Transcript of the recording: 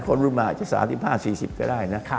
รุ่นมาอาจจะ๓๕๔๐ก็ได้นะ